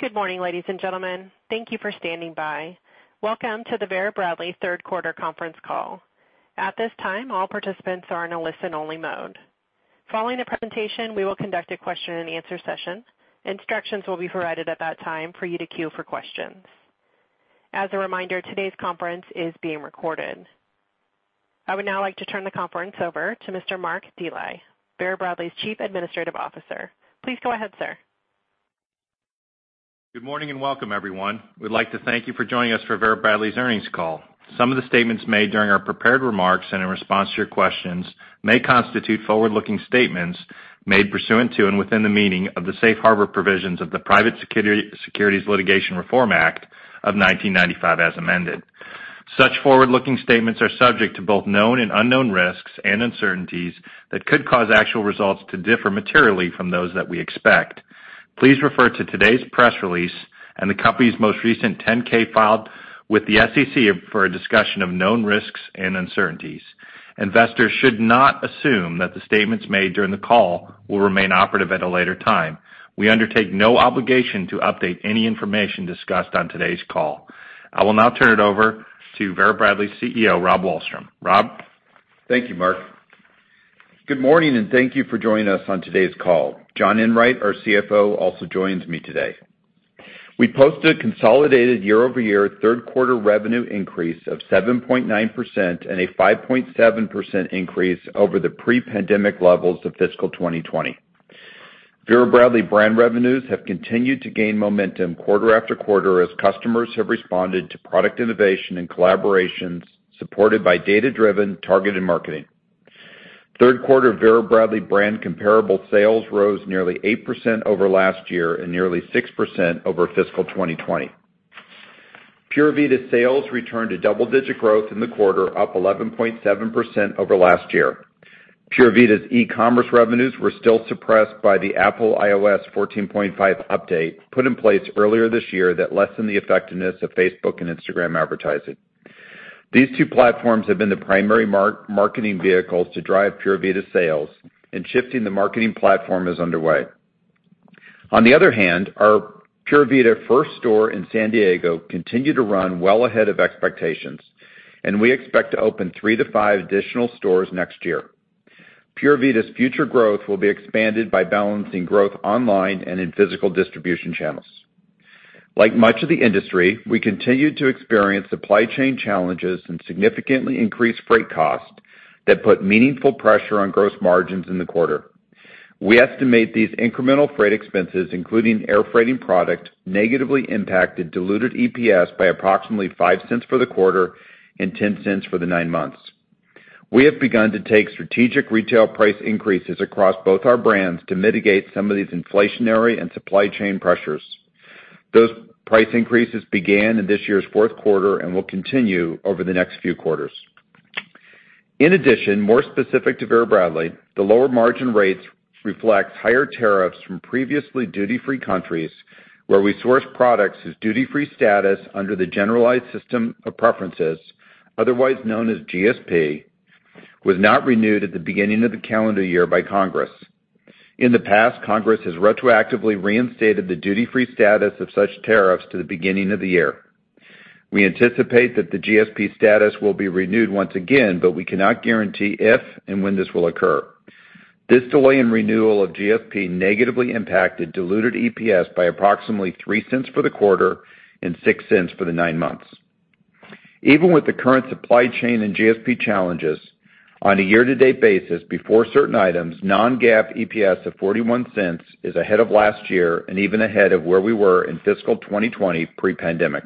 Good morning, ladies and gentlemen. Thank you for standing by. Welcome to the Vera Bradley third quarter conference call. At this time, all participants are in a listen-only mode. Following the presentation, we will conduct a question-and-answer session. Instructions will be provided at that time for you to queue for questions. As a reminder, today's conference is being recorded. I would now like to turn the conference over to Mr. Mark Dely, Vera Bradley's Chief Administrative Officer. Please go ahead, sir. Good morning, and welcome, everyone. We'd like to thank you for joining us for Vera Bradley's earnings call. Some of the statements made during our prepared remarks and in response to your questions may constitute forward-looking statements made pursuant to and within the meaning of the safe harbor provisions of the Private Securities Litigation Reform Act of 1995, as amended. Such forward-looking statements are subject to both known and unknown risks and uncertainties that could cause actual results to differ materially from those that we expect. Please refer to today's press release and the company's most recent 10-K filed with the SEC for a discussion of known risks and uncertainties. Investors should not assume that the statements made during the call will remain operative at a later time. We undertake no obligation to update any information discussed on today's call. I will now turn it over to Vera Bradley's CEO, Rob Wallstrom. Rob? Thank you, Mark. Good morning, and thank you for joining us on today's call. John Enwright, our CFO, also joins me today. We posted consolidated year-over-year third quarter revenue increase of 7.9% and a 5.7% increase over the pre-pandemic levels of fiscal 2020. Vera Bradley brand revenues have continued to gain momentum quarter after quarter as customers have responded to product innovation and collaborations supported by data-driven targeted marketing. Third quarter Vera Bradley brand comparable sales rose nearly 8% over last year and nearly 6% over fiscal 2020. Pura Vida sales returned to double-digit growth in the quarter, up 11.7% over last year. Pura Vida's e-commerce revenues were still suppressed by the Apple iOS 14.5 update put in place earlier this year that lessened the effectiveness of Facebook and Instagram advertising. These two platforms have been the primary marketing vehicles to drive Pura Vida sales, and shifting the marketing platform is underway. On the other hand, our Pura Vida first store in San Diego continued to run well ahead of expectations, and we expect to open 3-5 additional stores next year. Pura Vida's future growth will be expanded by balancing growth online and in physical distribution channels. Like much of the industry, we continue to experience supply chain challenges and significantly increased freight costs that put meaningful pressure on gross margins in the quarter. We estimate these incremental freight expenses, including air freighting product, negatively impacted diluted EPS by approximately $0.05 for the quarter and $0.10 for the nine months. We have begun to take strategic retail price increases across both our brands to mitigate some of these inflationary and supply chain pressures. Those price increases began in this year's fourth quarter and will continue over the next few quarters. In addition, more specific to Vera Bradley, the lower margin rates reflect higher tariffs from previously duty-free countries where we source products whose duty-free status under the Generalized System of Preferences, otherwise known as GSP, was not renewed at the beginning of the calendar year by Congress. In the past, Congress has retroactively reinstated the duty-free status of such tariffs to the beginning of the year. We anticipate that the GSP status will be renewed once again, but we cannot guarantee if and when this will occur. This delay in renewal of GSP negatively impacted diluted EPS by approximately $0.03 for the quarter and $0.06 for the nine months. Even with the current supply chain and GSP challenges, on a year-to-date basis, before certain items, non-GAAP EPS of $0.41 is ahead of last year and even ahead of where we were in fiscal 2020 pre-pandemic.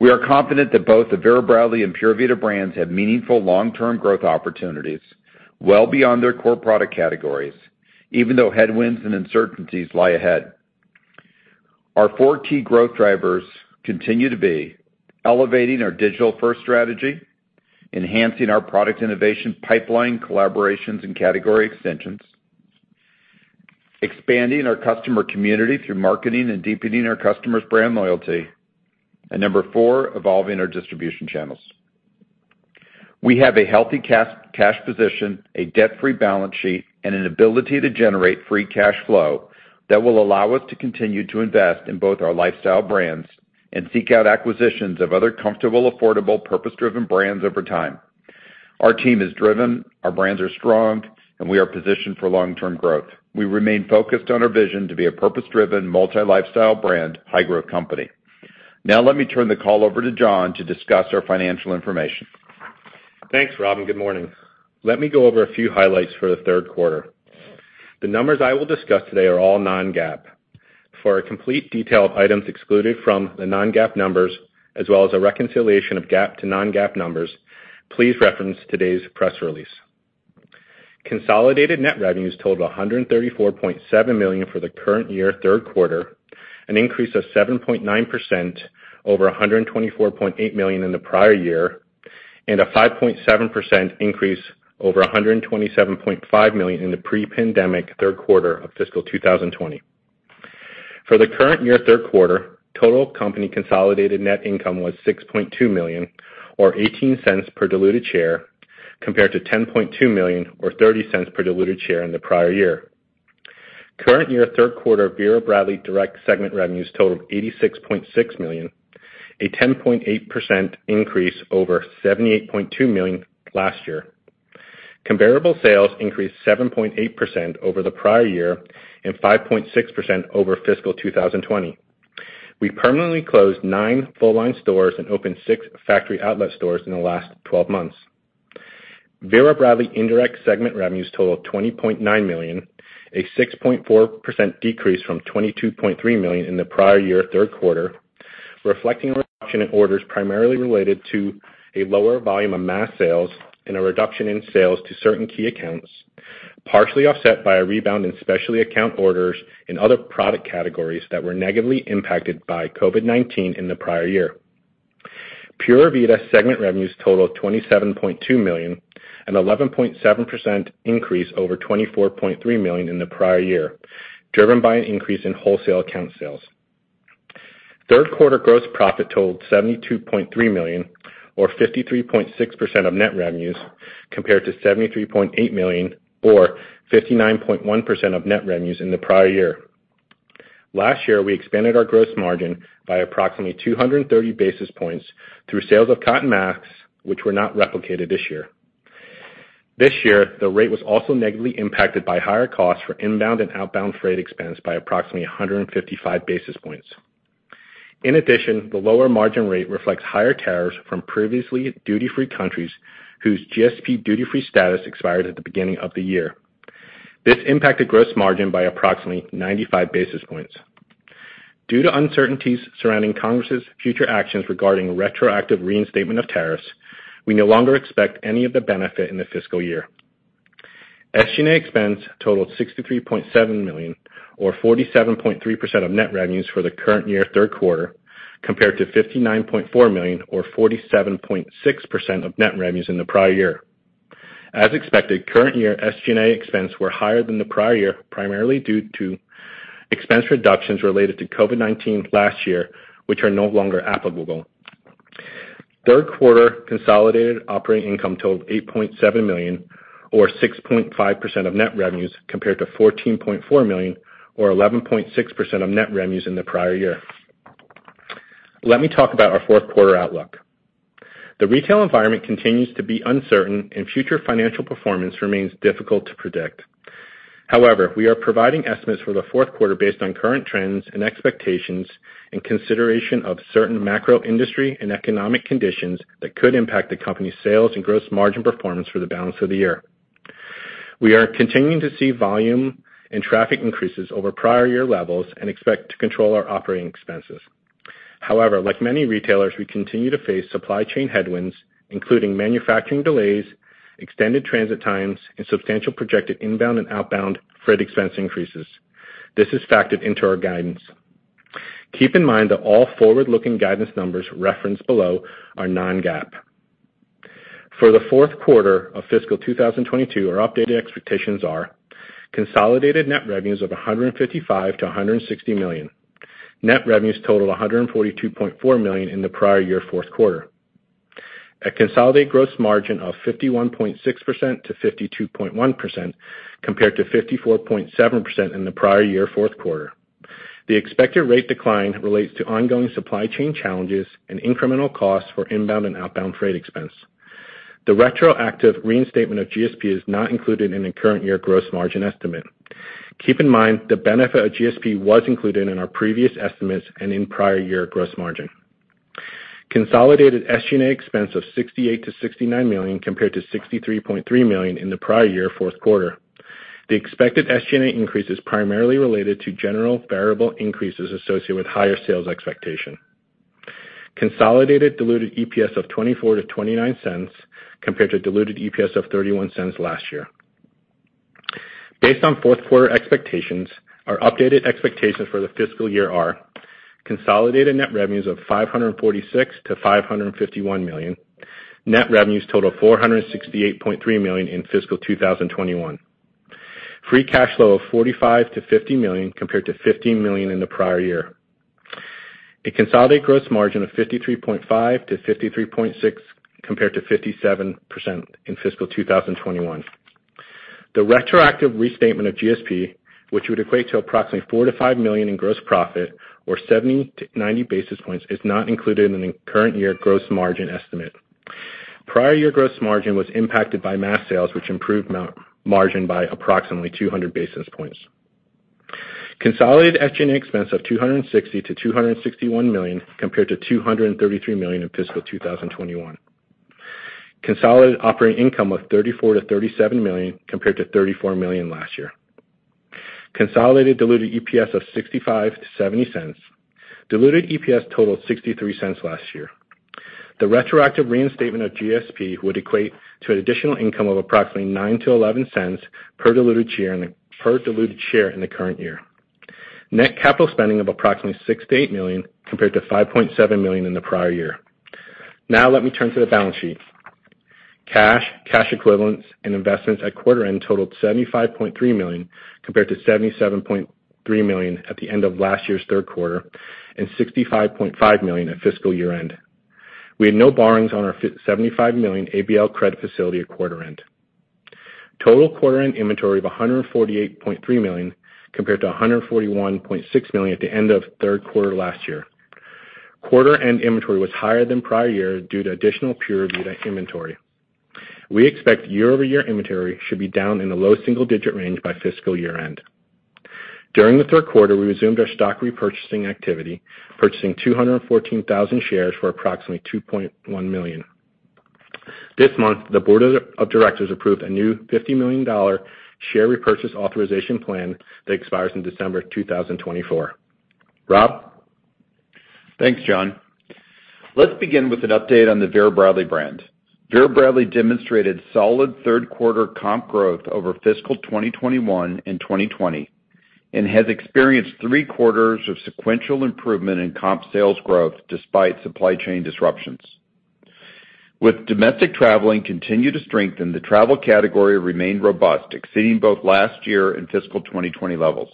We are confident that both the Vera Bradley and Pura Vida brands have meaningful long-term growth opportunities well beyond their core product categories, even though headwinds and uncertainties lie ahead. Our four key growth drivers continue to be elevating our digital-first strategy, enhancing our product innovation pipeline, collaborations, and category extensions, expanding our customer community through marketing and deepening our customers' brand loyalty, and number 4, evolving our distribution channels. We have a healthy cash position, a debt-free balance sheet, and an ability to generate free cash flow that will allow us to continue to invest in both our lifestyle brands and seek out acquisitions of other comfortable, affordable, purpose-driven brands over time. Our team is driven, our brands are strong, and we are positioned for long-term growth. We remain focused on our vision to be a purpose-driven, multi-lifestyle brand, high-growth company. Now let me turn the call over to John Enwright to discuss our financial information. Thanks, Rob, and good morning. Let me go over a few highlights for the third quarter. The numbers I will discuss today are all non-GAAP. For a complete detail of items excluded from the non-GAAP numbers, as well as a reconciliation of GAAP to non-GAAP numbers, please reference today's press release. Consolidated net revenues totaled $134.7 million for the current year third quarter, an increase of 7.9% over $124.8 million in the prior year, and a 5.7% increase over $127.5 million in the pre-pandemic third quarter of fiscal 2020. For the current year, third quarter, total company consolidated net income was $6.2 million or $0.18 per diluted share, compared to $10.2 million or $0.30 per diluted share in the prior year. Current year third quarter, Vera Bradley direct segment revenues totaled $86.6 million, a 10.8% increase over $78.2 million last year. Comparable sales increased 7.8% over the prior year and 5.6% over fiscal 2020. We permanently closed 9 full-line stores and opened 6 factory outlet stores in the last 12 months. Vera Bradley indirect segment revenues totaled $20.9 million, a 6.4% decrease from $22.3 million in the prior-year third quarter, reflecting a reduction in orders primarily related to a lower volume of mass sales and a reduction in sales to certain key accounts, partially offset by a rebound in specialty account orders and other product categories that were negatively impacted by COVID-19 in the prior year. Pura Vida segment revenues totaled $27.2 million, an 11.7% increase over $24.3 million in the prior year, driven by an increase in wholesale account sales. Third quarter gross profit totaled $72.3 million or 53.6% of net revenues, compared to $73.8 million or 59.1% of net revenues in the prior year. Last year, we expanded our gross margin by approximately 230 basis points through sales of cotton masks which were not replicated this year. This year, the rate was also negatively impacted by higher costs for inbound and outbound freight expense by approximately 155 basis points. In addition, the lower margin rate reflects higher tariffs from previously duty-free countries whose GSP duty-free status expired at the beginning of the year. This impacted gross margin by approximately 95 basis points. Due to uncertainties surrounding Congress's future actions regarding retroactive reinstatement of tariffs, we no longer expect any of the benefit in the fiscal year. SG&A expense totaled $63.7 million or 47.3% of net revenues for the current year third quarter, compared to $59.4 million or 47.6% of net revenues in the prior year. As expected, current year SG&A expense were higher than the prior year, primarily due to expense reductions related to COVID-19 last year, which are no longer applicable. Third quarter consolidated operating income totaled $8.7 million or 6.5% of net revenues, compared to $14.4 million or 11.6% of net revenues in the prior year. Let me talk about our fourth quarter outlook. The retail environment continues to be uncertain and future financial performance remains difficult to predict. However, we are providing estimates for the fourth quarter based on current trends and expectations in consideration of certain macro industry and economic conditions that could impact the company's sales and gross margin performance for the balance of the year. We are continuing to see volume and traffic increases over prior year levels and expect to control our operating expenses. However, like many retailers, we continue to face supply chain headwinds, including manufacturing delays, extended transit times, and substantial projected inbound and outbound freight expense increases. This is factored into our guidance. Keep in mind that all forward-looking guidance numbers referenced below are non-GAAP. For the fourth quarter of fiscal 2022, our updated expectations are consolidated net revenues of $155 million-$160 million. Net revenues totaled $142.4 million in the prior year fourth quarter. A consolidated gross margin of 51.6%-52.1%, compared to 54.7% in the prior year fourth quarter. The expected rate decline relates to ongoing supply chain challenges and incremental costs for inbound and outbound freight expense. The retroactive reinstatement of GSP is not included in the current year gross margin estimate. Keep in mind the benefit of GSP was included in our previous estimates and in prior year gross margin. Consolidated SG&A expense of $68 million-$69 million, compared to $63.3 million in the prior year fourth quarter. The expected SG&A increase is primarily related to general variable increases associated with higher sales expectation. Consolidated diluted EPS of $0.24-$0.29, compared to diluted EPS of $0.31 last year. Based on fourth quarter expectations, our updated expectations for the fiscal year are consolidated net revenues of $546 million-$551 million. Net revenues total $468.3 million in fiscal 2021. Free cash flow of $45 million-$50 million, compared to $50 million in the prior year. A consolidated gross margin of 53.5%-53.6%, compared to 57% in fiscal 2021. The retroactive reinstatement of GSP, which would equate to approximately $4 million-$5 million in gross profit or 70-90 basis points, is not included in the current year gross margin estimate. Prior year gross margin was impacted by mix sales, which improved margin by approximately 200 basis points. Consolidated SG&A expense of $260 million-$261 million, compared to $233 million in fiscal 2021. Consolidated operating income of $34 million-$37 million, compared to $34 million last year. Consolidated diluted EPS of $0.65-$0.70. Diluted EPS totaled $0.63 last year. The retroactive reinstatement of GSP would equate to an additional income of approximately $0.09-$0.11 per diluted share in the current year. Net capital spending of approximately $6 million-$8 million, compared to $5.7 million in the prior year. Now let me turn to the balance sheet. Cash, cash equivalents, and investments at quarter end totaled $75.3 million compared to $77.3 million at the end of last year's third quarter and $65.5 million at fiscal year-end. We had no borrowings on our $75 million ABL credit facility at quarter end. Total quarter-end inventory of $148.3 million compared to $141.6 million at the end of third quarter last year. Quarter-end inventory was higher than prior year due to additional Pura Vida inventory. We expect year-over-year inventory should be down in the low single-digit range by fiscal year-end. During the third quarter, we resumed our stock repurchasing activity, purchasing 214,000 shares for approximately $2.1 million. This month, the board of directors approved a new $50 million share repurchase authorization plan that expires in December 2024. Rob? Thanks, John. Let's begin with an update on the Vera Bradley brand. Vera Bradley demonstrated solid third quarter comp growth over fiscal 2021 and 2020, and has experienced three quarters of sequential improvement in comp sales growth despite supply chain disruptions. With domestic travel continuing to strengthen, the travel category remained robust, exceeding both last year and fiscal 2020 levels.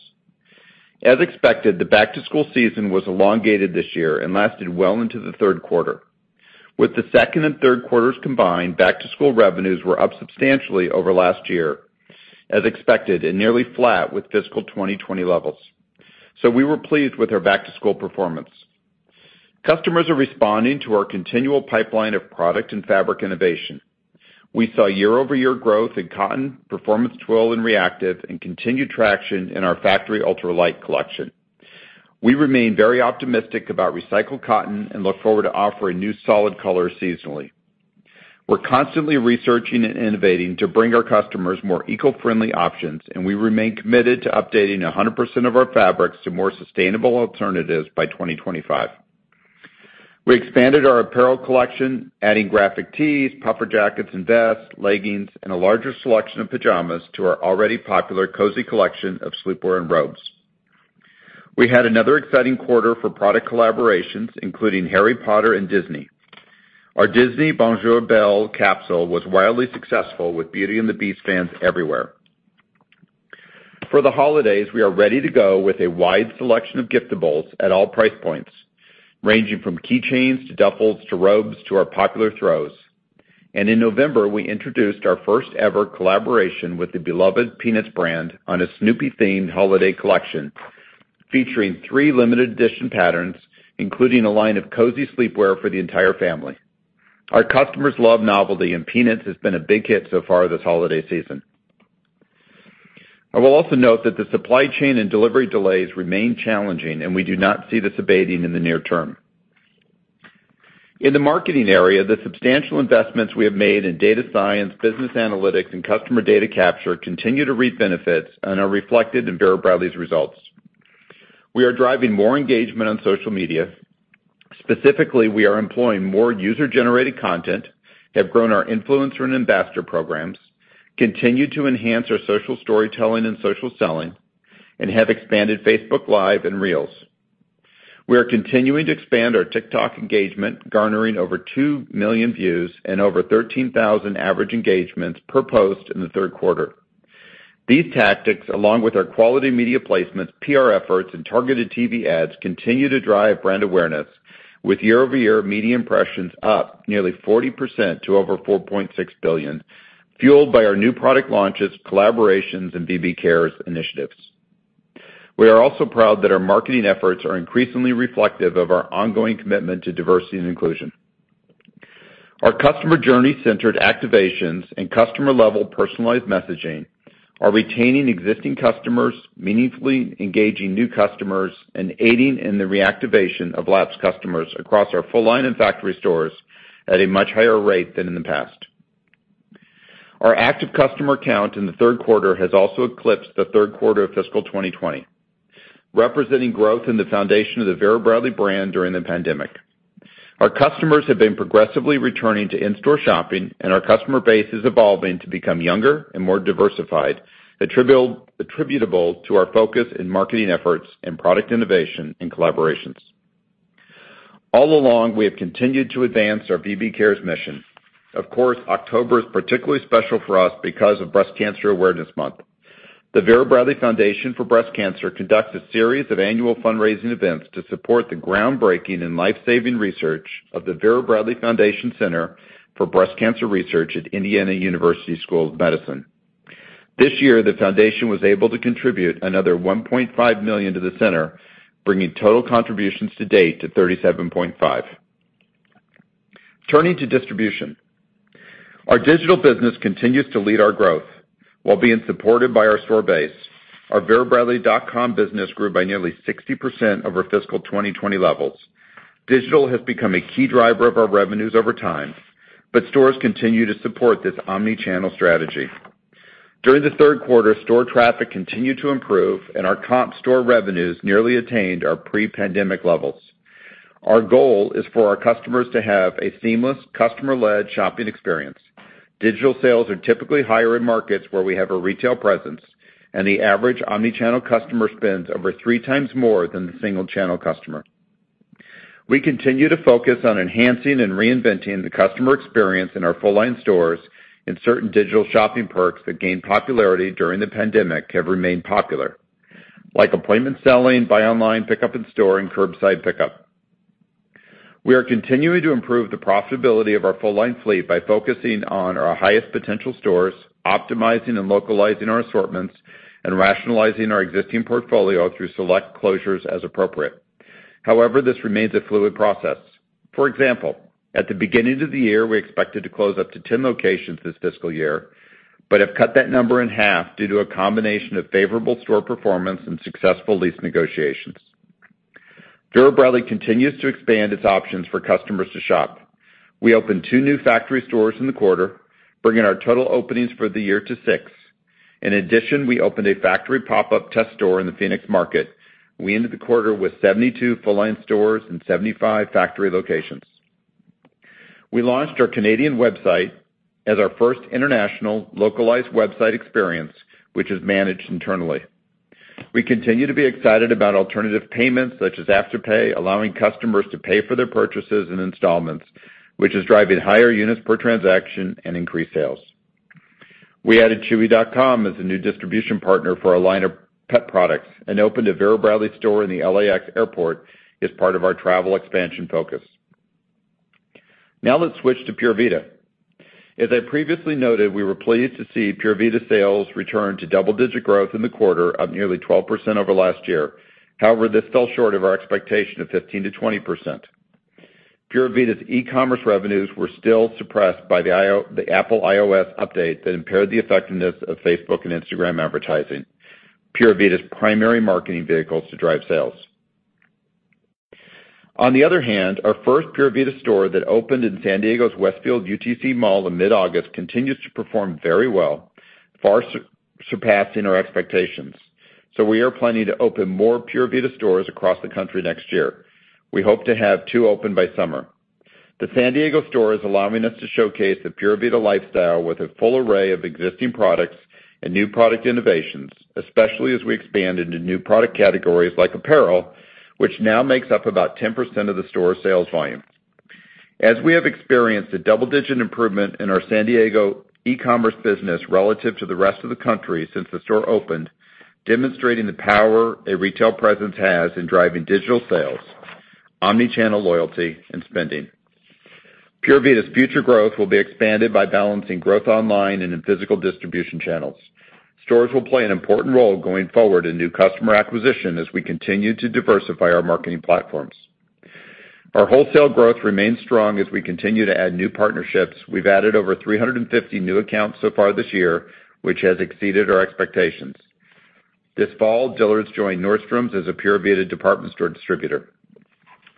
As expected, the back-to-school season was elongated this year and lasted well into the third quarter. With the second and third quarters combined, back-to-school revenues were up substantially over last year, as expected, and nearly flat with fiscal 2020 levels. We were pleased with our back-to-school performance. Customers are responding to our continual pipeline of product and fabric innovation. We saw year-over-year growth in cotton, Performance Twill, and ReActive, and continued traction in our factory Ultralight collection. We remain very optimistic about recycled cotton and look forward to offering new solid colors seasonally. We're constantly researching and innovating to bring our customers more eco-friendly options, and we remain committed to updating 100% of our fabrics to more sustainable alternatives by 2025. We expanded our apparel collection, adding graphic tees, puffer jackets and vests, leggings, and a larger selection of pajamas to our already popular cozy collection of sleepwear and robes. We had another exciting quarter for product collaborations, including Harry Potter and Disney. Our Disney Bonjour Belle capsule was wildly successful with Beauty and the Beast fans everywhere. For the holidays, we are ready to go with a wide selection of giftables at all price points, ranging from key chains, to duffels, to robes, to our popular throws. In November, we introduced our first-ever collaboration with the beloved Peanuts brand on a Snoopy-themed holiday collection featuring three limited edition patterns, including a line of cozy sleepwear for the entire family. Our customers love novelty, and Peanuts has been a big hit so far this holiday season. I will also note that the supply chain and delivery delays remain challenging, and we do not see this abating in the near term. In the marketing area, the substantial investments we have made in data science, business analytics, and customer data capture continue to reap benefits and are reflected in Vera Bradley's results. We are driving more engagement on social media. Specifically, we are employing more user-generated content, have grown our influencer and ambassador programs, continue to enhance our social storytelling and social selling, and have expanded Facebook Live and Reels. We are continuing to expand our TikTok engagement, garnering over 2 million views and over 13,000 average engagements per post in the third quarter. These tactics, along with our quality media placements, PR efforts, and targeted TV ads, continue to drive brand awareness with year-over-year media impressions up nearly 40% to over 4.6 billion, fueled by our new product launches, collaborations, and VB Cares initiatives. We are also proud that our marketing efforts are increasingly reflective of our ongoing commitment to diversity and inclusion. Our customer journey-centered activations and customer-level personalized messaging are retaining existing customers, meaningfully engaging new customers, and aiding in the reactivation of lapsed customers across our full line of factory stores at a much higher rate than in the past. Our active customer count in the third quarter has also eclipsed the third quarter of fiscal 2020, representing growth in the foundation of the Vera Bradley brand during the pandemic. Our customers have been progressively returning to in-store shopping, and our customer base is evolving to become younger and more diversified, attributable to our focus in marketing efforts and product innovation and collaborations. All along, we have continued to advance our VB Cares mission. Of course, October is particularly special for us because of Breast Cancer Awareness Month. The Vera Bradley Foundation for Breast Cancer conducts a series of annual fundraising events to support the groundbreaking and life-saving research of the Vera Bradley Foundation Center for Breast Cancer Research at Indiana University School of Medicine. This year, the foundation was able to contribute another $1.5 million to the center, bringing total contributions to date to $37.5 million. Turning to distribution. Our digital business continues to lead our growth while being supported by our store base. Our verabradley.com business grew by nearly 60% over fiscal 2020 levels. Digital has become a key driver of our revenues over time, but stores continue to support this omni-channel strategy. During the third quarter, store traffic continued to improve, and our comp store revenues nearly attained our pre-pandemic levels. Our goal is for our customers to have a seamless, customer-led shopping experience. Digital sales are typically higher in markets where we have a retail presence, and the average omni-channel customer spends over three times more than the single-channel customer. We continue to focus on enhancing and reinventing the customer experience in our full-line stores, and certain digital shopping perks that gained popularity during the pandemic have remained popular, like appointment selling, buy online, pickup in store, and curbside pickup. We are continuing to improve the profitability of our full-line fleet by focusing on our highest potential stores, optimizing and localizing our assortments, and rationalizing our existing portfolio through select closures as appropriate. However, this remains a fluid process. For example, at the beginning of the year, we expected to close up to 10 locations this fiscal year, but have cut that number in half due to a combination of favorable store performance and successful lease negotiations. Vera Bradley continues to expand its options for customers to shop. We opened two new factory stores in the quarter, bringing our total openings for the year to six. In addition, we opened a factory pop-up test store in the Phoenix market. We ended the quarter with 72 full-line stores and 75 factory locations. We launched our Canadian website as our first international localized website experience, which is managed internally. We continue to be excited about alternative payments, such as Afterpay, allowing customers to pay for their purchases in installments, which is driving higher units per transaction and increased sales. We added Chewy.com as a new distribution partner for our line of pet products and opened a Vera Bradley store in the LAX Airport as part of our travel expansion focus. Now let's switch to Pura Vida. As I previously noted, we were pleased to see Pura Vida sales return to double-digit growth in the quarter of nearly 12% over last year. However, this fell short of our expectation of 15%-20%. Pura Vida's e-commerce revenues were still suppressed by the Apple iOS update that impaired the effectiveness of Facebook and Instagram advertising, Pura Vida's primary marketing vehicles to drive sales. On the other hand, our first Pura Vida store that opened in San Diego's Westfield UTC Mall in mid-August continues to perform very well, far surpassing our expectations. We are planning to open more Pura Vida stores across the country next year. We hope to have two open by summer. The San Diego store is allowing us to showcase the Pura Vida lifestyle with a full array of existing products and new product innovations, especially as we expand into new product categories like apparel, which now makes up about 10% of the store's sales volume. As we have experienced a double-digit improvement in our San Diego e-commerce business relative to the rest of the country since the store opened, demonstrating the power a retail presence has in driving digital sales, omni-channel loyalty, and spending. Pura Vida's future growth will be expanded by balancing growth online and in physical distribution channels. Stores will play an important role going forward in new customer acquisition as we continue to diversify our marketing platforms. Our wholesale growth remains strong as we continue to add new partnerships. We've added over 350 new accounts so far this year, which has exceeded our expectations. This fall, Dillard's joined Nordstrom as a Pura Vida department store distributor.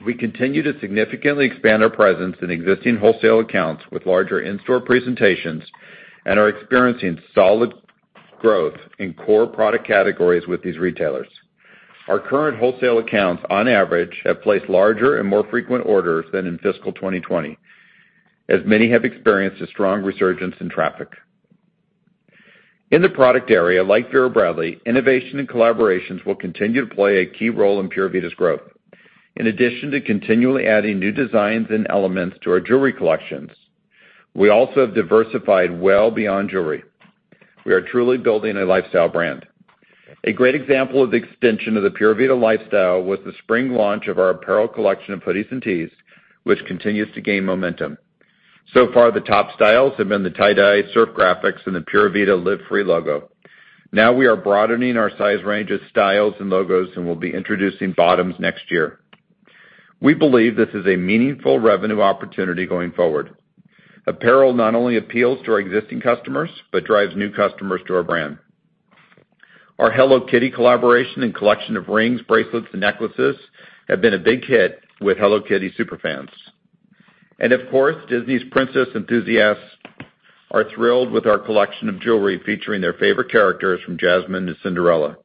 We continue to significantly expand our presence in existing wholesale accounts with larger in-store presentations and are experiencing solid growth in core product categories with these retailers. Our current wholesale accounts, on average, have placed larger and more frequent orders than in fiscal 2020, as many have experienced a strong resurgence in traffic. In the product area, like Vera Bradley, innovation and collaborations will continue to play a key role in Pura Vida's growth. In addition to continually adding new designs and elements to our jewelry collections, we also have diversified well beyond jewelry. We are truly building a lifestyle brand. A great example of the extension of the Pura Vida lifestyle was the spring launch of our apparel collection of hoodies and tees, which continues to gain momentum. So far, the top styles have been the tie-dye surf graphics and the Pura Vida Live Free logo. Now we are broadening our size range of styles and logos, and we'll be introducing bottoms next year. We believe this is a meaningful revenue opportunity going forward. Apparel not only appeals to our existing customers, but drives new customers to our brand. Our Hello Kitty collaboration and collection of rings, bracelets, and necklaces have been a big hit with Hello Kitty super fans. Of course, Disney's princess enthusiasts are thrilled with our collection of jewelry featuring their favorite characters from Jasmine to Cinderella.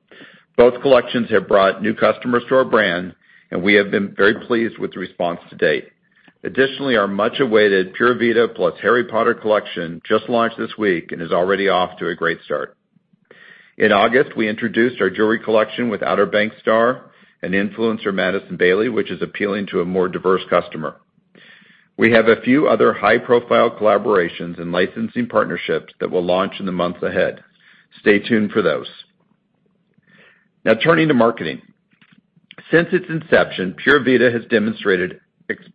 Both collections have brought new customers to our brand, and we have been very pleased with the response to date. Additionally, our much-awaited Pura Vida plus Harry Potter collection just launched this week and is already off to a great start. In August, we introduced our jewelry collection with Outer Banks star and influencer Madison Bailey, which is appealing to a more diverse customer. We have a few other high-profile collaborations and licensing partnerships that we'll launch in the months ahead. Stay tuned for those. Now turning to marketing. Since its inception, Pura Vida has demonstrated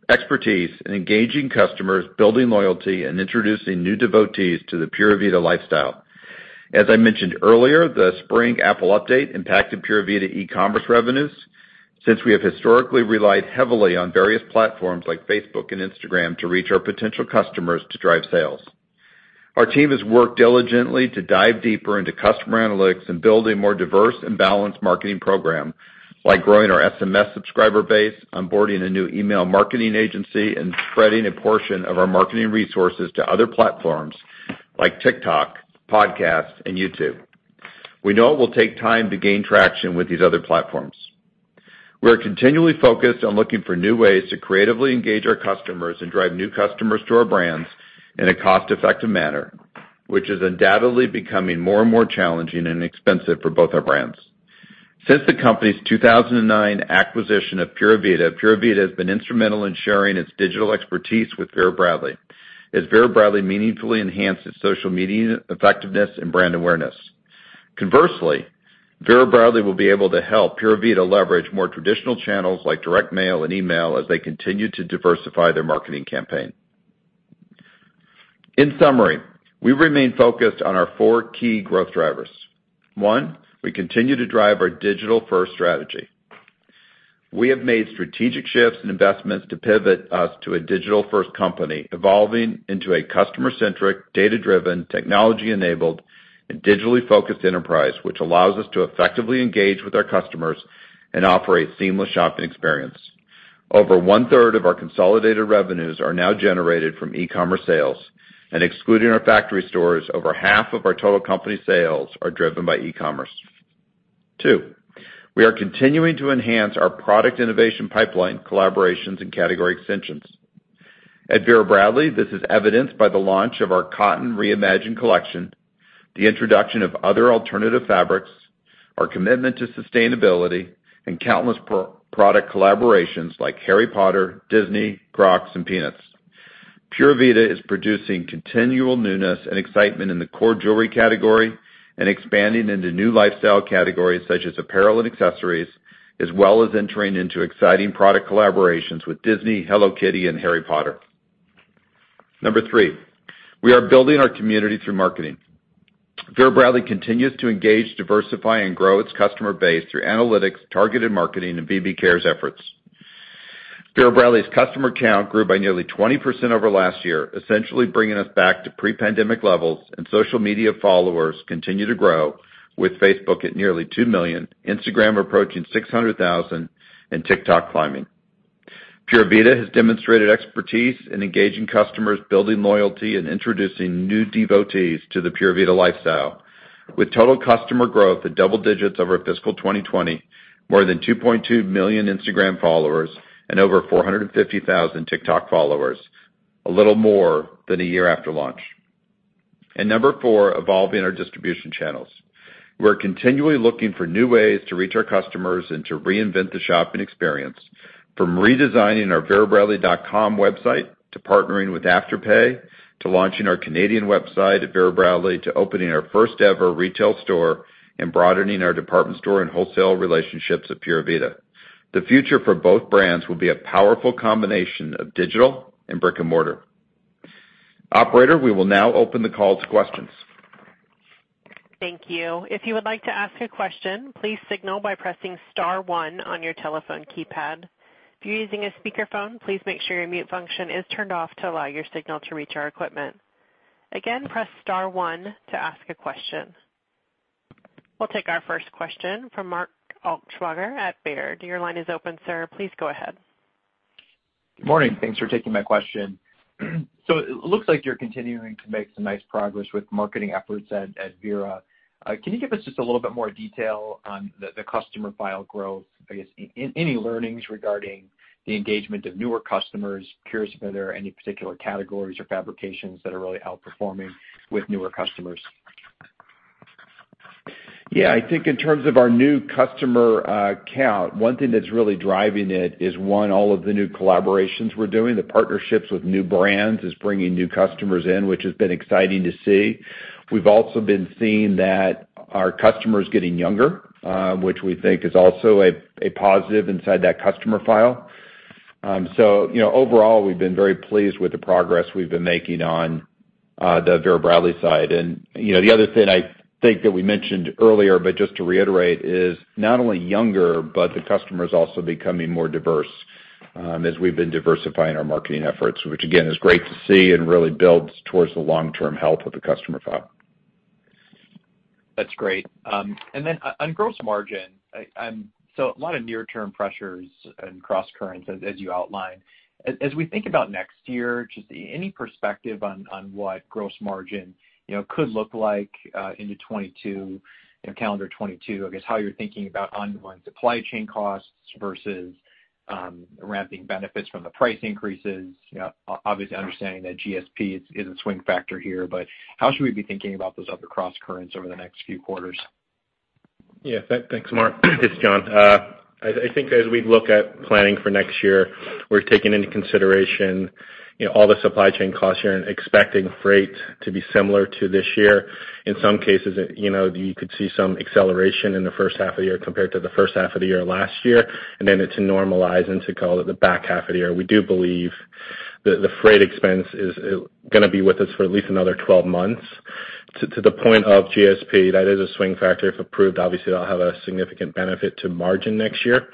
expertise in engaging customers, building loyalty, and introducing new devotees to the Pura Vida lifestyle. As I mentioned earlier, the spring Apple update impacted Pura Vida e-commerce revenues since we have historically relied heavily on various platforms like Facebook and Instagram to reach our potential customers to drive sales. Our team has worked diligently to dive deeper into customer analytics and build a more diverse and balanced marketing program, like growing our SMS subscriber base, onboarding a new email marketing agency, and spreading a portion of our marketing resources to other platforms like TikTok, podcasts, and YouTube. We know it will take time to gain traction with these other platforms. We are continually focused on looking for new ways to creatively engage our customers and drive new customers to our brands in a cost-effective manner, which is undoubtedly becoming more and more challenging and expensive for both our brands. Since the company's 2009 acquisition of Pura Vida, Pura Vida has been instrumental in sharing its digital expertise with Vera Bradley, as Vera Bradley meaningfully enhanced its social media effectiveness and brand awareness. Conversely, Vera Bradley will be able to help Pura Vida leverage more traditional channels like direct mail and email as they continue to diversify their marketing campaign. In summary, we remain focused on our four key growth drivers. One, we continue to drive our digital-first strategy. We have made strategic shifts and investments to pivot us to a digital-first company, evolving into a customer-centric, data-driven, technology-enabled and digitally focused enterprise, which allows us to effectively engage with our customers and offer a seamless shopping experience. Over one-third of our consolidated revenues are now generated from e-commerce sales, and excluding our factory stores, over half of our total company sales are driven by e-commerce. Two, we are continuing to enhance our product innovation pipeline, collaborations and category extensions. At Vera Bradley, this is evidenced by the launch of our Cotton ReImagined collection, the introduction of other alternative fabrics, our commitment to sustainability and countless product collaborations like Harry Potter, Disney, Crocs and Peanuts. Pura Vida is producing continual newness and excitement in the core jewelry category and expanding into new lifestyle categories such as apparel and accessories, as well as entering into exciting product collaborations with Disney, Hello Kitty and Harry Potter. Number three, we are building our community through marketing. Vera Bradley continues to engage, diversify and grow its customer base through analytics, targeted marketing and VB Cares efforts. Vera Bradley's customer count grew by nearly 20% over last year, essentially bringing us back to pre-pandemic levels, and social media followers continue to grow, with Facebook at nearly 2 million, Instagram approaching 600,000, and TikTok climbing. Pura Vida has demonstrated expertise in engaging customers, building loyalty, and introducing new devotees to the Pura Vida lifestyle, with total customer growth at double digits over fiscal 2020, more than 2.2 million Instagram followers, and over 450,000 TikTok followers a little more than a year after launch. Number four, evolving our distribution channels. We're continually looking for new ways to reach our customers and to reinvent the shopping experience, from redesigning our verabradley.com website, to partnering with Afterpay, to launching our Canadian website at Vera Bradley, to opening our first-ever retail store and broadening our department store and wholesale relationships at Pura Vida. The future for both brands will be a powerful combination of digital and brick-and-mortar. Operator, we will now open the call to questions. Thank you. If you would like to ask a question, please signal by pressing star one on your telephone keypad. If you're using a speakerphone, please make sure your mute function is turned off to allow your signal to reach our equipment. Again, press star one to ask a question. We'll take our first question from Mark Altschwager at Baird. Your line is open, sir. Please go ahead. Good morning. Thanks for taking my question. It looks like you're continuing to make some nice progress with marketing efforts at Vera. Can you give us just a little bit more detail on the customer file growth? I guess, any learnings regarding the engagement of newer customers. Curious if there are any particular categories or fabrications that are really outperforming with newer customers. Yeah. I think in terms of our new customer count, one thing that's really driving it is, one, all of the new collaborations we're doing. The partnerships with new brands is bringing new customers in, which has been exciting to see. We've also been seeing that our customers are getting younger, which we think is also a positive inside that customer file. So, you know, overall, we've been very pleased with the progress we've been making on the Vera Bradley side. You know, the other thing I think that we mentioned earlier, but just to reiterate, is not only younger, but the customer is also becoming more diverse, as we've been diversifying our marketing efforts, which again, is great to see and really builds towards the long-term health of the customer file. That's great. On gross margin. A lot of near-term pressures and crosscurrents as you outlined. As we think about next year, just any perspective on what gross margin could look like into 2022, you know, calendar 2022? I guess how you're thinking about ongoing supply chain costs versus ramping benefits from the price increases. You know, obviously understanding that GSP is a swing factor here. How should we be thinking about those other crosscurrents over the next few quarters? Thanks, Mark. This is John. I think as we look at planning for next year, we're taking into consideration, you know, all the supply chain costs here and expecting freight to be similar to this year. In some cases, you know, you could see some acceleration in the first half of the year compared to the first half of the year last year, and then it'll normalize into, call it, the back half of the year. We do believe that the freight expense is gonna be with us for at least another 12 months. To the point of GSP, that is a swing factor. If approved, obviously that'll have a significant benefit to margin next year.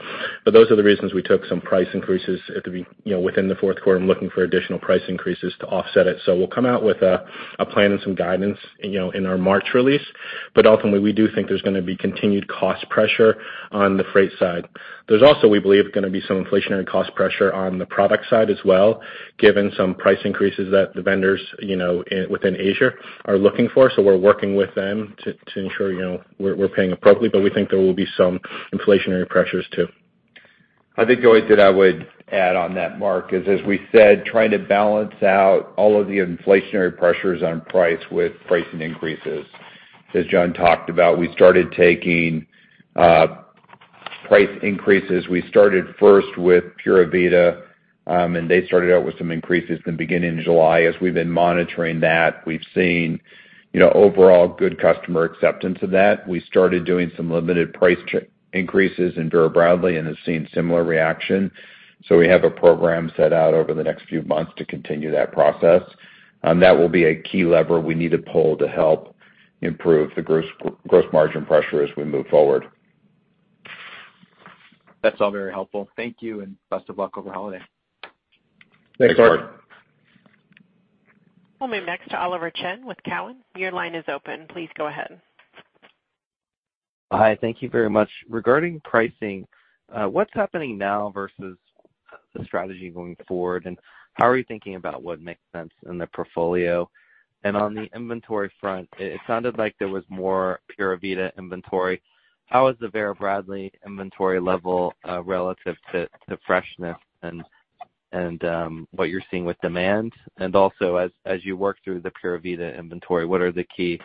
Those are the reasons we took some price increases, you know, within the fourth quarter. I'm looking for additional price increases to offset it. We'll come out with a plan and some guidance, you know, in our March release. Ultimately, we do think there's gonna be continued cost pressure on the freight side. There's also, we believe, gonna be some inflationary cost pressure on the product side as well, given some price increases that the vendors, you know, within Asia are looking for. We're working with them to ensure, you know, we're paying appropriately, but we think there will be some inflationary pressures too. I think the only thing I would add on that, Mark, is, as we said, trying to balance out all of the inflationary pressures on price with price increases. As John talked about, we started taking price increases. We started first with Pura Vida, and they started out with some increases in the beginning of July. As we've been monitoring that, we've seen overall good customer acceptance of that. We started doing some limited price increases in Vera Bradley and have seen similar reaction. We have a program set out over the next few months to continue that process. That will be a key lever we need to pull to help improve the gross margin pressure as we move forward. That's all very helpful. Thank you, and best of luck over holiday. Thanks, Mark. Thanks, Mark. We'll move next to Oliver Chen with Cowen. Your line is open. Please go ahead. Hi. Thank you very much. Regarding pricing, what's happening now versus the strategy going forward, and how are you thinking about what makes sense in the portfolio? On the inventory front, it sounded like there was more Pura Vida inventory. How is the Vera Bradley inventory level, relative to freshness and what you're seeing with demand? Also, as you work through the Pura Vida inventory, what are the key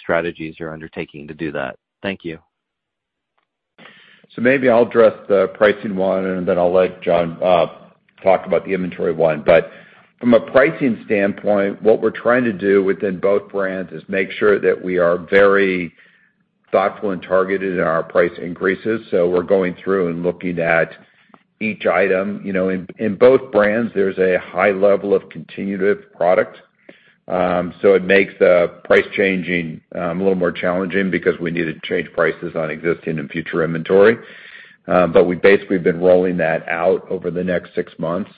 strategies you're undertaking to do that? Thank you. Maybe I'll address the pricing one, and then I'll let John talk about the inventory one. From a pricing standpoint, what we're trying to do within both brands is make sure that we are very thoughtful and targeted in our price increases. We're going through and looking at each item. You know, in both brands there's a high level of continuity product, so it makes price changing a little more challenging because we need to change prices on existing and future inventory. We basically have been rolling that out over the next six months.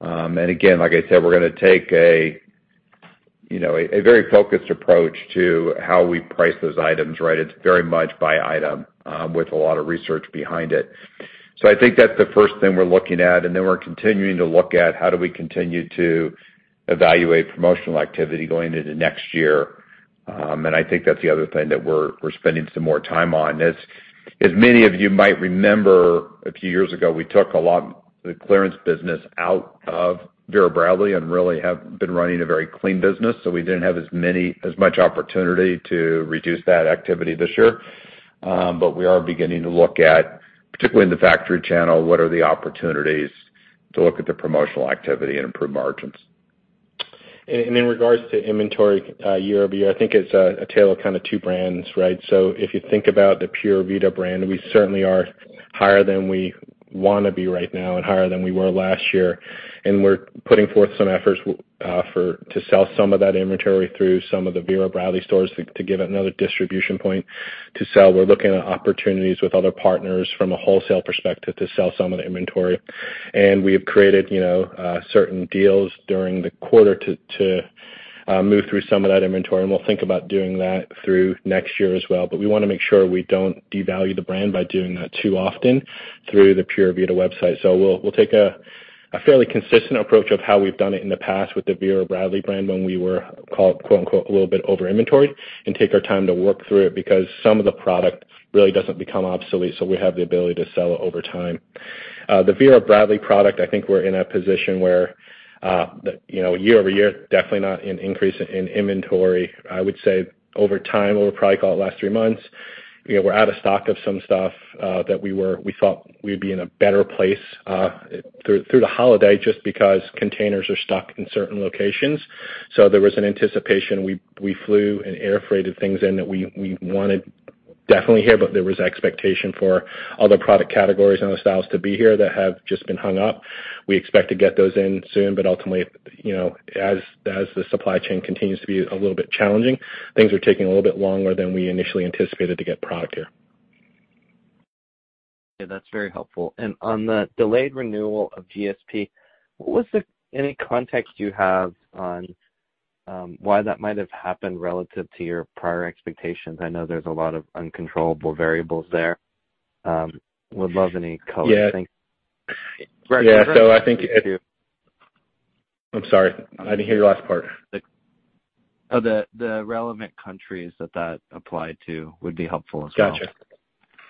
Again, like I said, we're gonna take a you know very focused approach to how we price those items, right? It's very much by item with a lot of research behind it. I think that's the first thing we're looking at, and then we're continuing to look at how do we continue to evaluate promotional activity going into next year. I think that's the other thing that we're spending some more time on. As many of you might remember, a few years ago, we took a lot of the clearance business out of Vera Bradley and really have been running a very clean business. We didn't have as much opportunity to reduce that activity this year. We are beginning to look at, particularly in the factory channel, what are the opportunities to look at the promotional activity and improve margins. In regards to inventory, year-over-year, I think it's a tale of kinda two brands, right? If you think about the Pura Vida brand, we certainly are higher than we wanna be right now and higher than we were last year, and we're putting forth some efforts to sell some of that inventory through some of the Vera Bradley stores to give it another distribution point to sell. We're looking at opportunities with other partners from a wholesale perspective to sell some of the inventory. We have created, you know, certain deals during the quarter to move through some of that inventory, and we'll think about doing that through next year as well. We wanna make sure we don't devalue the brand by doing that too often through the Pura Vida website. We'll take a fairly consistent approach of how we've done it in the past with the Vera Bradley brand when we were quote unquote "a little bit over-inventoried" and take our time to work through it because some of the product really doesn't become obsolete, so we have the ability to sell it over time. The Vera Bradley product, I think we're in a position where you know year-over-year definitely not an increase in inventory. I would say over the last three months, you know, we're out of stock of some stuff that we thought we'd be in a better place through the holiday just because containers are stuck in certain locations. There was an anticipation. We flew and air freighted things in that we wanted definitely here, but there was expectation for other product categories and other styles to be here that have just been hung up. We expect to get those in soon, but ultimately, you know, as the supply chain continues to be a little bit challenging, things are taking a little bit longer than we initially anticipated to get product here. Okay. That's very helpful. On the delayed renewal of GSP, what's any context you have on why that might have happened relative to your prior expectations? I know there's a lot of uncontrollable variables there. Would love any color. Yeah. Thanks. Yeah. I think it- Thank you. I'm sorry. I didn't hear your last part. The relevant countries that applied to would be helpful as well. Gotcha.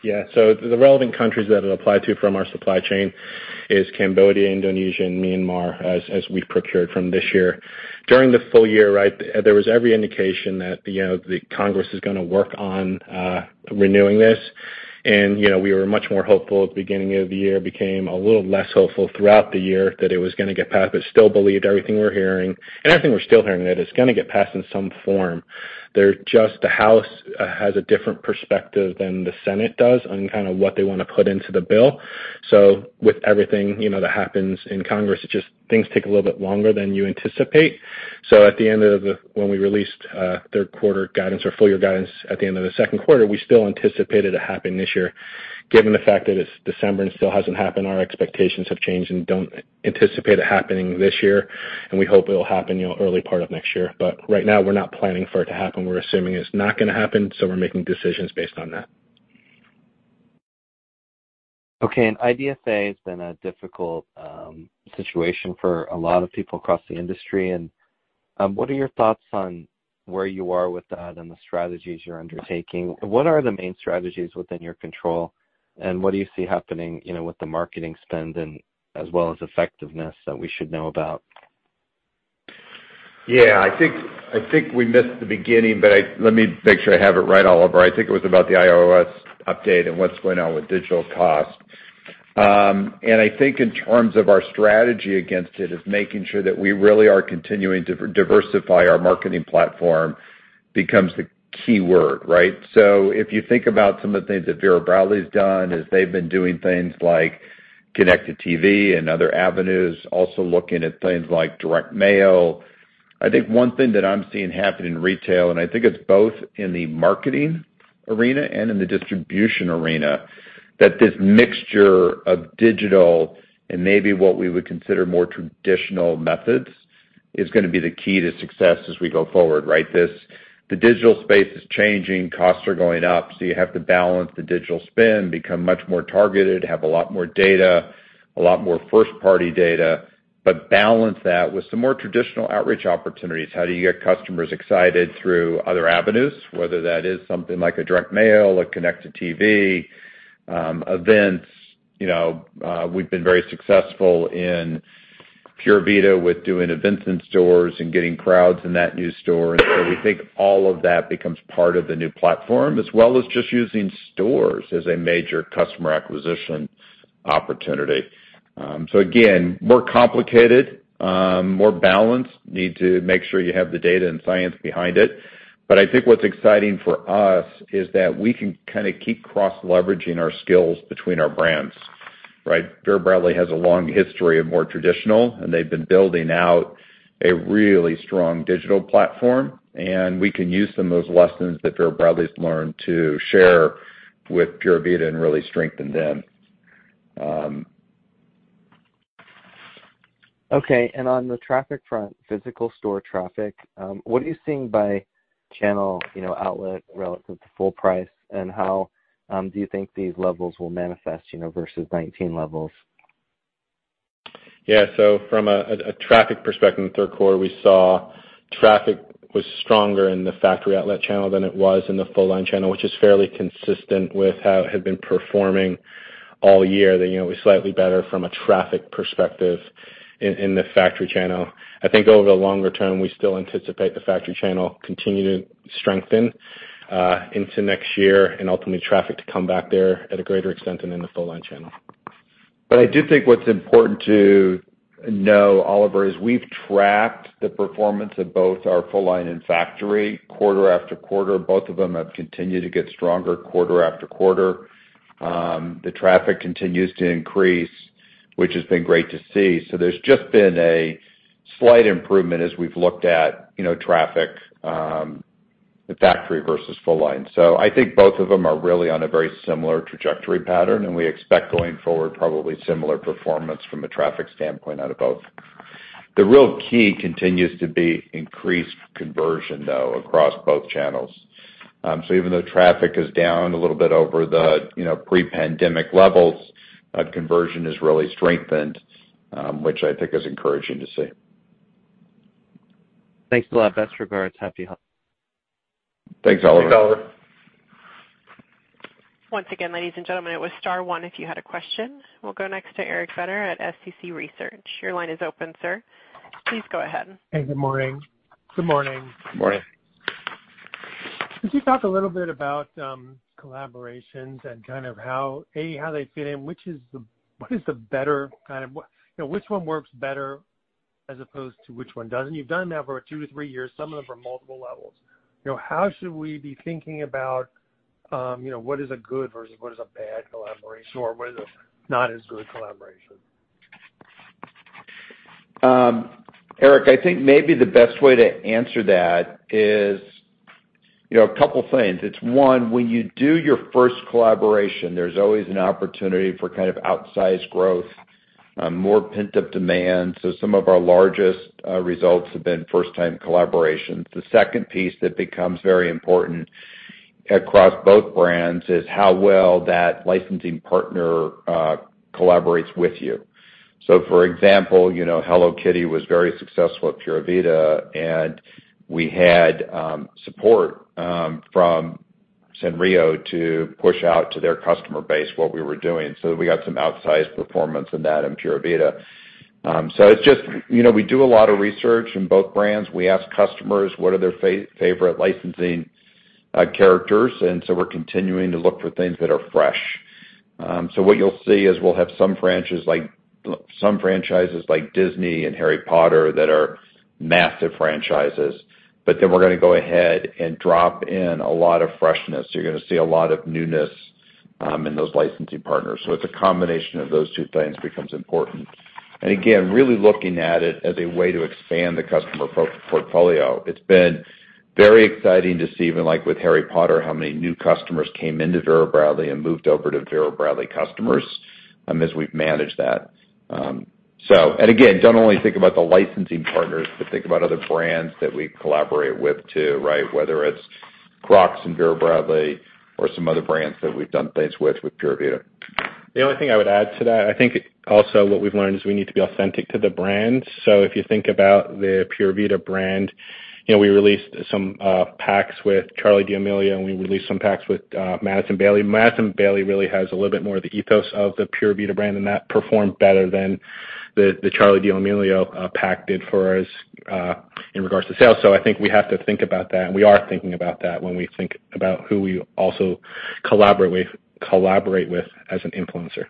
Yeah. The relevant countries that it applied to from our supply chain is Cambodia, Indonesia, and Myanmar as we procured from this year. During the full year, right, there was every indication that, you know, the Congress is gonna work on renewing this. You know, we were much more hopeful at the beginning of the year, became a little less hopeful throughout the year that it was gonna get passed, but still believed everything we're hearing, and everything we're still hearing, that it's gonna get passed in some form. They're just the House has a different perspective than the Senate does on kinda what they wanna put into the bill. With everything, you know, that happens in Congress, it's just things take a little bit longer than you anticipate. At the end of when we released third quarter guidance or full year guidance at the end of the second quarter, we still anticipated it happening this year. Given the fact that it's December and still hasn't happened, our expectations have changed and don't anticipate it happening this year, and we hope it'll happen, you know, early part of next year. Right now we're not planning for it to happen. We're assuming it's not gonna happen, so we're making decisions based on that. Okay. IDFA has been a difficult situation for a lot of people across the industry, and what are your thoughts on where you are with that and the strategies you're undertaking? What are the main strategies within your control, and what do you see happening, you know, with the marketing spend and as well as effectiveness that we should know about? Yeah. I think we missed the beginning, but let me make sure I have it right, Oliver. I think it was about the iOS update and what's going on with digital costs. I think in terms of our strategy against it is making sure that we really are continuing to diversify our marketing platform becomes the key word, right? If you think about some of the things that Vera Bradley's done is they've been doing things like connected TV and other avenues, also looking at things like direct mail. I think one thing that I'm seeing happen in retail, and I think it's both in the marketing arena and in the distribution arena, that this mixture of digital and maybe what we would consider more traditional methods is gonna be the key to success as we go forward, right? The digital space is changing, costs are going up, so you have to balance the digital spend, become much more targeted, have a lot more data, a lot more first-party data, but balance that with some more traditional outreach opportunities. How do you get customers excited through other avenues, whether that is something like a direct mail, a connected TV, events? You know, we've been very successful in Pura Vida with doing events in stores and getting crowds in that new store. We think all of that becomes part of the new platform as well as just using stores as a major customer acquisition opportunity. Again, more complicated, more balanced, need to make sure you have the data and science behind it. I think what's exciting for us is that we can kinda keep cross-leveraging our skills between our brands, right? Vera Bradley has a long history of more traditional, and they've been building out a really strong digital platform, and we can use some of those lessons that Vera Bradley's learned to share with Pura Vida and really strengthen them. Okay. On the traffic front, physical store traffic, what are you seeing by channel, you know, outlet relative to full price, and how do you think these levels will manifest, you know, versus 2019 levels? Yeah. From a traffic perspective in the third quarter, we saw traffic was stronger in the factory outlet channel than it was in the full-line channel, which is fairly consistent with how it had been performing all year. That, you know, it was slightly better from a traffic perspective in the factory channel. I think over the longer term, we still anticipate the factory channel continue to strengthen into next year and ultimately traffic to come back there at a greater extent than in the full-line channel. I do think what's important to know, Oliver, is we've tracked the performance of both our full-line and factory quarter after quarter. Both of them have continued to get stronger quarter after quarter. The traffic continues to increase, which has been great to see. There's just been a slight improvement as we've looked at, you know, traffic, the factory versus full-line. I think both of them are really on a very similar trajectory pattern, and we expect going forward probably similar performance from a traffic standpoint out of both. The real key continues to be increased conversion, though, across both channels. Even though traffic is down a little bit over the, you know, pre-pandemic levels, conversion has really strengthened, which I think is encouraging to see. Thanks a lot. Best regards. Happy holidays. Thanks, Oliver. Thanks, Oliver. Once again, ladies and gentlemen, it was star one if you had a question. We'll go next to Eric Beder at Small Cap Consumer Research. Your line is open, sir. Please go ahead. Hey, good morning. Good morning. Morning. Could you talk a little bit about collaborations and kind of how they fit in? What is the better, you know, which one works better as opposed to which one doesn't? You've done that for 2-3 years, some of them are multiple levels. You know, how should we be thinking about, you know, what is a good versus what is a bad collaboration, or what is a not as good collaboration? Eric, I think maybe the best way to answer that is, you know, a couple things. It's one, when you do your first collaboration, there's always an opportunity for kind of outsized growth, more pent-up demand. Some of our largest results have been first-time collaborations. The second piece that becomes very important across both brands is how well that licensing partner collaborates with you. For example, you know, Hello Kitty was very successful at Pura Vida, and we had support from Sanrio to push out to their customer base what we were doing. We got some outsized performance in that in Pura Vida. It's just. You know, we do a lot of research in both brands. We ask customers what are their favorite licensing characters, and so we're continuing to look for things that are fresh. What you'll see is we'll have some franchises like Disney and Harry Potter that are massive franchises, but then we're gonna go ahead and drop in a lot of freshness. You're gonna see a lot of newness in those licensing partners. It's a combination of those two things becomes important. Really looking at it as a way to expand the customer portfolio. It's been very exciting to see, even like with Harry Potter, how many new customers came into Vera Bradley and moved over to Vera Bradley customers as we've managed that. Don't only think about the licensing partners, but think about other brands that we collaborate with too, right? Whether it's Crocs and Vera Bradley or some other brands that we've done things with Pura Vida. The only thing I would add to that, I think also what we've learned is we need to be authentic to the brand. If you think about the Pura Vida brand, you know, we released some packs with Charli D'Amelio, and we released some packs with Madison Bailey. Madison Bailey really has a little bit more of the ethos of the Pura Vida brand, and that performed better than the Charli D'Amelio pack did for us in regards to sales. I think we have to think about that, and we are thinking about that when we think about who we also collaborate with as an influencer.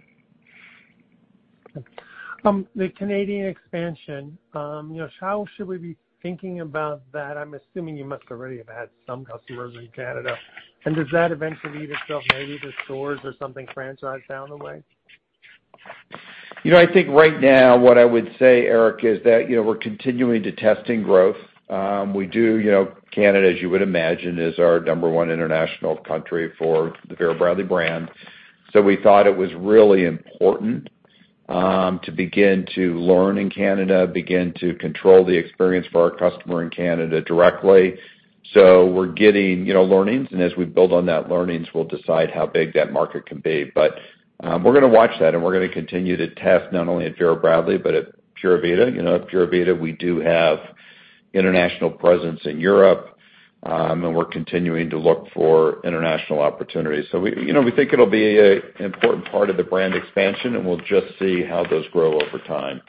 The Canadian expansion, you know, how should we be thinking about that? I'm assuming you must already have had some customers in Canada. Does that eventually lend itself maybe to stores or something franchised down the way? You know, I think right now what I would say, Eric, is that, you know, we're continuing to test growth. We do, you know, Canada, as you would imagine, is our number one international country for the Vera Bradley brand. We thought it was really important to begin to learn in Canada, begin to control the experience for our customer in Canada directly. We're getting, you know, learnings, and as we build on those learnings, we'll decide how big that market can be. We're gonna watch that, and we're gonna continue to test not only at Vera Bradley, but at Pura Vida. You know, at Pura Vida, we do have international presence in Europe, and we're continuing to look for international opportunities. We, you know, think it'll be an important part of the brand expansion, and we'll just see how those grow over time.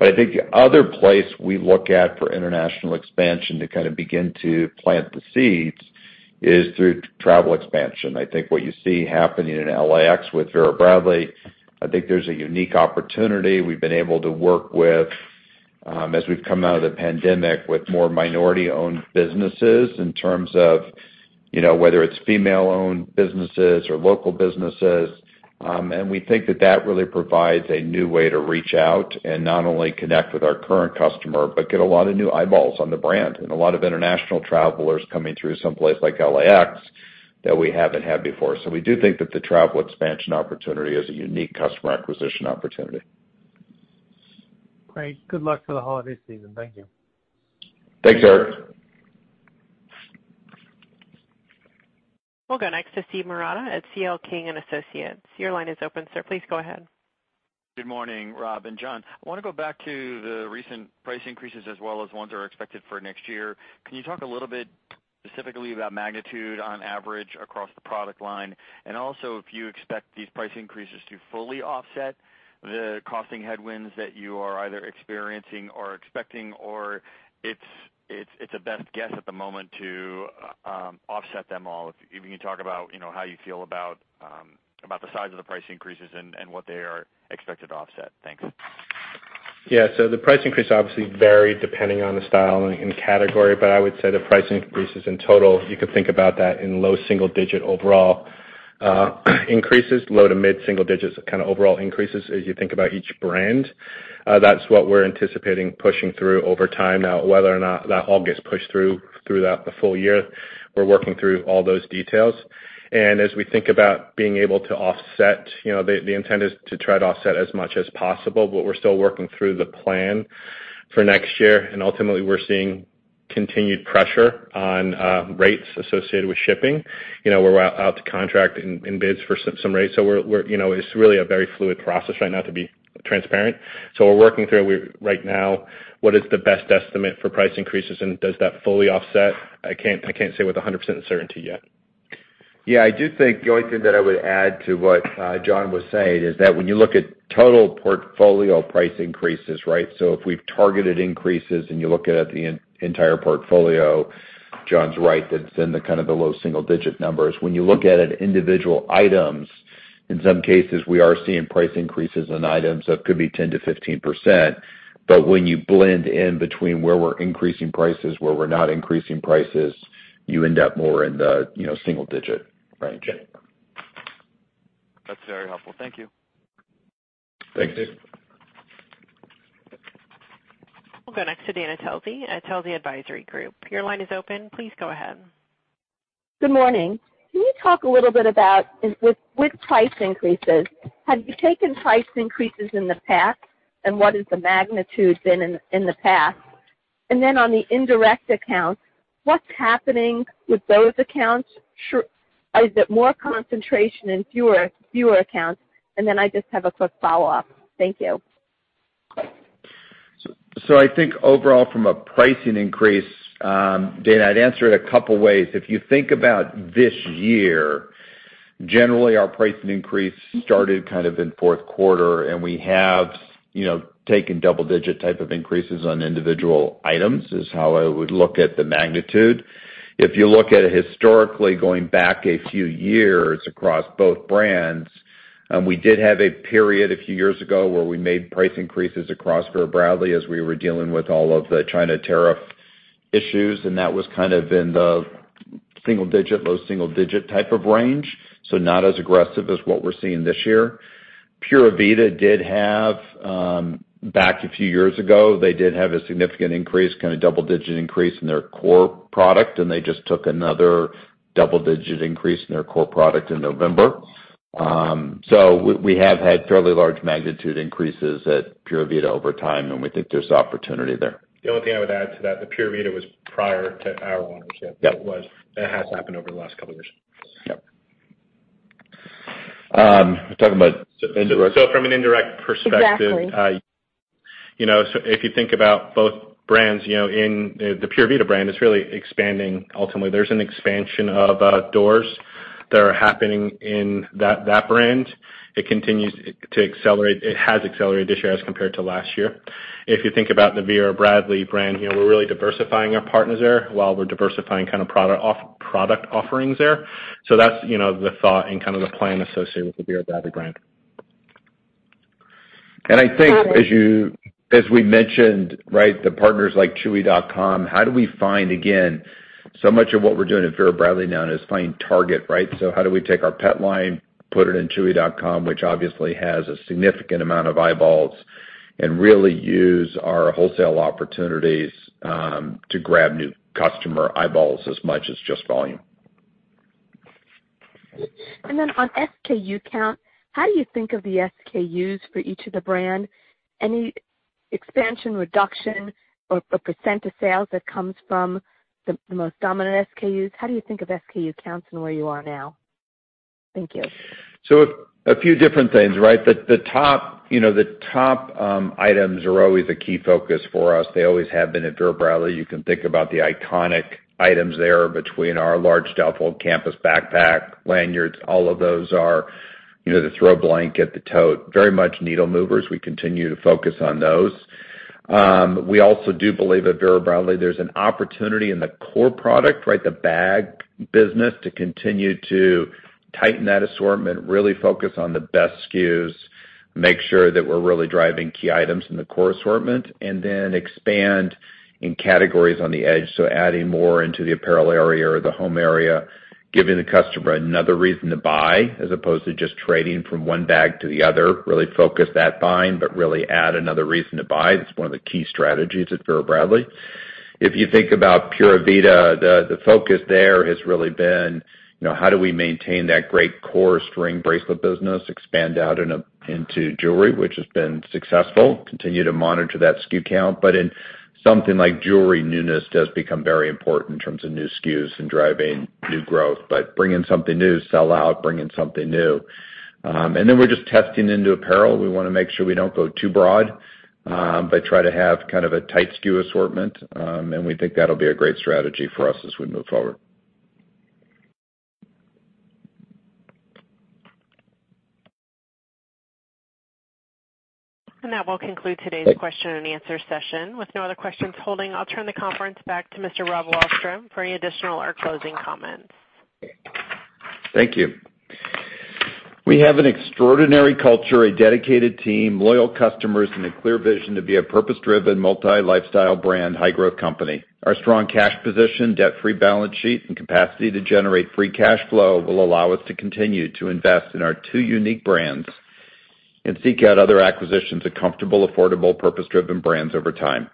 I think the other place we look at for international expansion to kind of begin to plant the seeds is through travel expansion. I think what you see happening in LAX with Vera Bradley. I think there's a unique opportunity. We've been able to work with, as we've come out of the pandemic, with more minority-owned businesses in terms of, you know, whether it's female-owned businesses or local businesses. We think that really provides a new way to reach out and not only connect with our current customer, but get a lot of new eyeballs on the brand and a lot of international travelers coming through some place like LAX that we haven't had before. We do think that the travel expansion opportunity is a unique customer acquisition opportunity. Great. Good luck for the holiday season. Thank you. Thanks, Eric. We'll go next to Steve Marotta at C.L. King & Associates. Your line is open, sir. Please go ahead. Good morning, Rob and John. I wanna go back to the recent price increases as well as ones that are expected for next year. Can you talk a little bit specifically about magnitude on average across the product line? Also, if you expect these price increases to fully offset the costing headwinds that you are either experiencing or expecting, or it's a best guess at the moment to offset them all. If you can talk about, you know, how you feel about the size of the price increases and what they are expected to offset. Thanks. Yeah. The price increase obviously vary depending on the style and category, but I would say the price increases in total, you could think about that in low-single-digit overall increases, low- to mid-single-digits kind of overall increases as you think about each brand. That's what we're anticipating pushing through over time. Now, whether or not that all gets pushed through throughout the full year, we're working through all those details. As we think about being able to offset, you know, the intent is to try to offset as much as possible, but we're still working through the plan for next year. Ultimately, we're seeing continued pressure on rates associated with shipping. You know, we're out to contract in bids for some rates. We're, you know, it's really a very fluid process right now to be transparent. We're working through right now what is the best estimate for price increases and does that fully offset? I can't say with 100% certainty yet. Yeah. I do think the only thing that I would add to what John was saying is that when you look at total portfolio price increases, right? If we've targeted increases and you look at the entire portfolio, John's right, it's in the kind of low single digit numbers. When you look at individual items, in some cases, we are seeing price increases in items that could be 10%-15%. When you blend in between where we're increasing prices, where we're not increasing prices, you end up more in the, you know, single digit range. That's very helpful. Thank you. Thanks. Thank you. We'll go next to Dana Telsey at Telsey Advisory Group. Your line is open. Please go ahead. Good morning. Can you talk a little bit about with price increases, have you taken price increases in the past, and what has the magnitude been in the past? On the indirect accounts, what's happening with those accounts? Is it more concentration in fewer accounts? I just have a quick follow-up. Thank you. I think overall from a pricing increase, Dana, I'd answer it a couple ways. If you think about this year, generally our pricing increase started kind of in fourth quarter, and we have, you know, taken double digit type of increases on individual items, is how I would look at the magnitude. If you look at it historically going back a few years across both brands, we did have a period a few years ago where we made price increases across Vera Bradley as we were dealing with all of the China tariff issues, and that was kind of in the single digit, low single digit type of range. Not as aggressive as what we're seeing this year. Pura Vida did have, back a few years ago, they did have a significant increase, kind of double-digit increase in their core product, and they just took another double-digit increase in their core product in November. We have had fairly large magnitude increases at Pura Vida over time, and we think there's opportunity there. The only thing I would add to that, the Pura Vida was prior to our ownership. Yep. That has happened over the last couple years. Yep, talking about indirect. From an indirect perspective. Exactly. You know, if you think about both brands, you know, the Pura Vida brand is really expanding. Ultimately, there's an expansion of doors that are happening in that brand. It continues to accelerate. It has accelerated this year as compared to last year. If you think about the Vera Bradley brand, you know, we're really diversifying our partners there while we're diversifying kind of product offerings there. That's, you know, the thought and kind of the plan associated with the Vera Bradley brand. I think as we mentioned, right? The partners like Chewy.com, how do we find, again, so much of what we're doing at Vera Bradley now and is finding target, right? How do we take our pet line, put it in Chewy.com, which obviously has a significant amount of eyeballs, and really use our wholesale opportunities to grab new customer eyeballs as much as just volume. On SKU count, how do you think of the SKUs for each of the brands? Any expansion, reduction, or percent of sales that comes from the most dominant SKUs? How do you think of SKU counts and where you are now? Thank you. A few different things, right? The top, you know, items are always a key focus for us. They always have been at Vera Bradley. You can think about the iconic items there between our large duffle, campus backpack, lanyards, all of those are, you know, the throw blanket, the tote, very much needle movers. We continue to focus on those. We also do believe at Vera Bradley, there's an opportunity in the core product, right, the bag business, to continue to tighten that assortment, really focus on the best SKUs, make sure that we're really driving key items in the core assortment, and then expand in categories on the edge. Adding more into the apparel area or the home area, giving the customer another reason to buy as opposed to just trading from one bag to the other, really focus that buying, but really add another reason to buy. That's one of the key strategies at Vera Bradley. If you think about Pura Vida, the focus there has really been, you know, how do we maintain that great core string bracelet business, expand out into jewelry, which has been successful, continue to monitor that SKU count. In something like jewelry, newness does become very important in terms of new SKUs and driving new growth. Bring in something new, sell out, bring in something new. Then we're just testing into apparel. We wanna make sure we don't go too broad, but try to have kind of a tight SKU assortment. We think that'll be a great strategy for us as we move forward. That will conclude today's question-and-answer session. With no other questions holding, I'll turn the conference back to Mr. Rob Wallstrom for any additional or closing comments. Thank you. We have an extraordinary culture, a dedicated team, loyal customers, and a clear vision to be a purpose-driven, multi-lifestyle brand, high-growth company. Our strong cash position, debt-free balance sheet, and capacity to generate free cash flow will allow us to continue to invest in our two unique brands and seek out other acquisitions of comfortable, affordable, purpose-driven brands over time.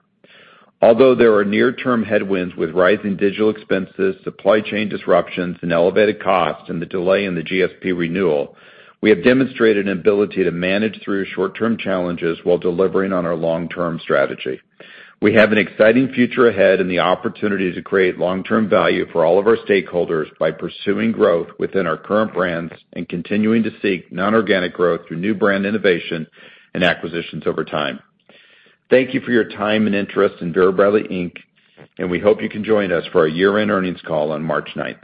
Although there are near-term headwinds with rising digital expenses, supply chain disruptions and elevated costs, and the delay in the GSP renewal, we have demonstrated an ability to manage through short-term challenges while delivering on our long-term strategy. We have an exciting future ahead and the opportunity to create long-term value for all of our stakeholders by pursuing growth within our current brands and continuing to seek non-organic growth through new brand innovation and acquisitions over time. Thank you for your time and interest in Vera Bradley, Inc. We hope you can join us for our year-end earnings call on March 9th.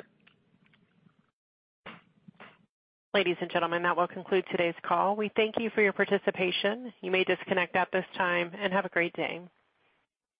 Ladies and gentlemen, that will conclude today's call. We thank you for your participation. You may disconnect at this time, and have a great day.